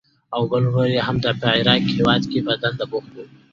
او بل ورور یې هم په عراق هېواد کې په دنده بوخت و.